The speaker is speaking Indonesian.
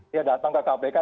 dia datang ke kpk